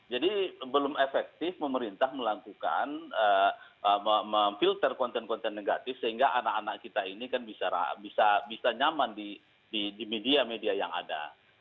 jadi belum efektif pemerintah melakukan memfilter konten konten negatif sehingga anak anak kita ini kan bisa nyaman di media media yang ada